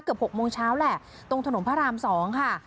๖โมงเช้าแหละตรงถนนพระราม๒ค่ะ